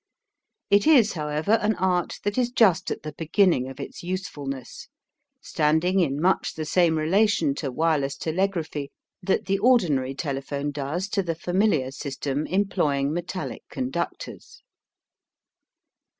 It is, however, an art that is just at the beginning of its usefulness, standing in much the same relation to wireless telegraphy that the ordinary telephone does to the familiar system employing metallic conductors.